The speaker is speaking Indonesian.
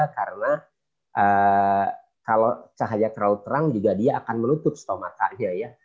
karena kalau cahaya terlalu terang juga dia akan menutup stomatanya